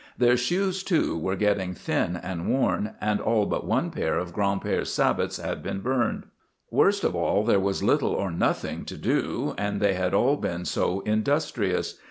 Their shoes, too, were getting thin and worn, and all but one pair of Gran'père's sabots had been burned. Worst of all, there was little or nothing to do, and they had all been so industrious.